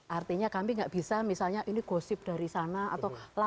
artinya kami nggak bisa misalnya ini gosip dari sana atau lama